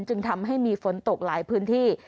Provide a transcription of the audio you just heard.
จึงทำให้มีฝนตกหลายพื้นที่